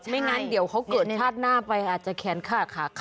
ไม่งั้นเดี๋ยวเขาเกิดชาติหน้าไปอาจจะแขนขาขาขา